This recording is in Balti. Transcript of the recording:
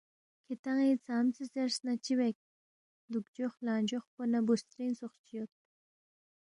کِھدان٘ی ژامژے زیرس نہ چِہ بیک، دُوک جوخ لنگ جوخ پو نہ بُوسترِنگ ژوخ چی یود